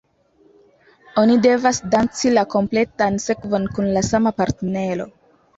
Oni devas danci la kompletan sekvon kun la sama partnero.